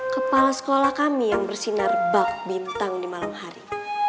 kepala sekolah kami yang bersinar bak bintang di malam hari